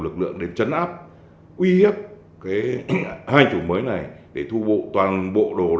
lại đem trả nợ